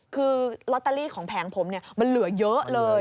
คือลอตเตอรี่ของแผงผมมันเหลือเยอะเลย